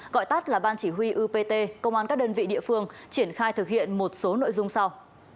gọi tắt là ban chỉ huy upt công an các đơn vị địa phương triển khai thực hiện một số nội dung sau